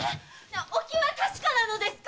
お気は確かなのですか？